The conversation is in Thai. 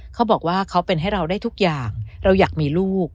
เขาบอกว่าเขาเป็นให้เราได้ทุกอย่างเราอยากมีลูก